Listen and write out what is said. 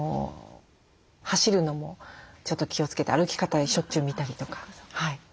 走るのもちょっと気をつけて歩き方をしょっちゅう見たりとか。